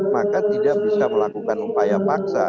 maka tidak bisa melakukan upaya paksa